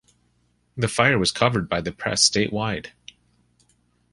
The fire was covered by the press statewide.